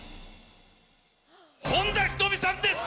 本田仁美さんです！